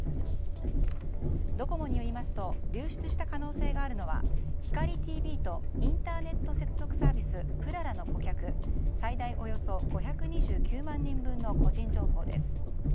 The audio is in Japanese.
ドコモによりますと流出した可能性があるのはひかりＴＶとインターネット接続サービスぷららの顧客最大およそ５２９万人分の個人情報です。